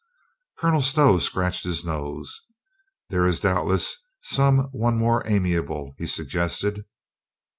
Colonel Stow scratched his nose. "There is doubtless some one more amiable?" he suggested.